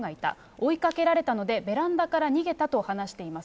追いかけられたので、ベランダから逃げたと話しています。